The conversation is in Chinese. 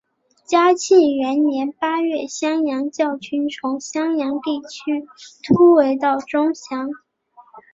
嘉庆元年八月襄阳教军从襄阳地区突围到钟祥。